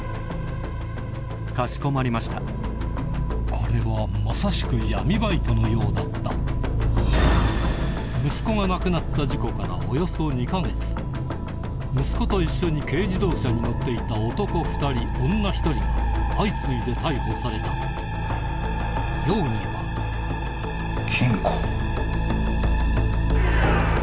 これはまさしく闇バイトのようだった息子が亡くなった事故からおよそ２か月息子と一緒に軽自動車に乗っていた男２人女１人が相次いで逮捕された容疑は「金庫」？